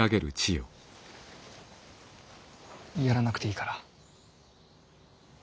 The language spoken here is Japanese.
やらなくていいから。